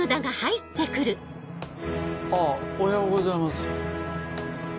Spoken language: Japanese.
あぁおはようございます。